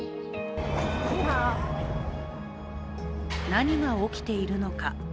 何が起きているのか。